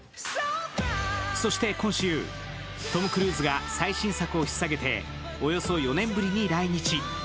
そして今週、トム・クルーズが最新作を引っさげておよそ４年ぶりに来日。